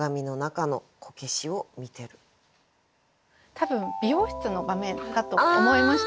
多分美容室の場面かと思いました。